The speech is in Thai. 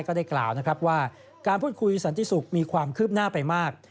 ก็ได้กล่าวนะครับว่าการพูดคุยสันติศุกร์มีความคืบหน้าไปมาก